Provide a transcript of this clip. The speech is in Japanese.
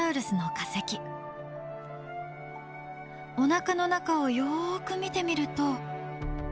おなかの中をよく見てみると。